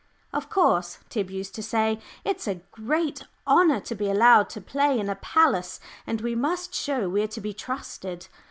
"Of course," Tib used to say, "it's a great honour to be allowed to play in a palace, and we must show we are to be trusted."